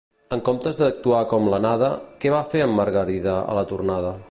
En comptes d'actuar com l'anada, què va fer amb Margarida a la tornada?